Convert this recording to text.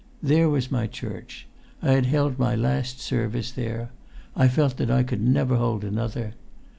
... There was my church. I had held my last service there. I felt that I could never hold another.